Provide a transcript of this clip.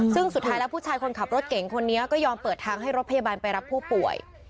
ซึ่งสุดท้ายแล้วผู้ชายคนขับรถเก่งคนนี้ก็ยอมเปิดทางให้รถพยาบาลไปรับผู้ป่วย